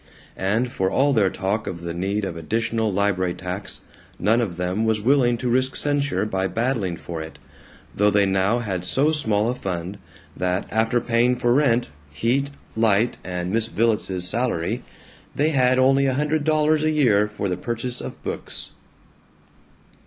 And for all their talk of the need of additional library tax none of them was willing to risk censure by battling for it, though they now had so small a fund that, after paying for rent, heat, light, and Miss Villets's salary, they had only a hundred dollars a year for the purchase of books.